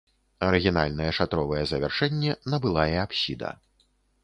Арыгінальнае шатровае завяршэнне набыла і апсіда.